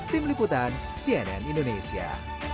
tim liputan cnn indonesia